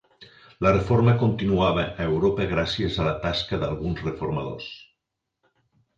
La Reforma continuava a Europa gràcies a la tasca d'alguns reformadors.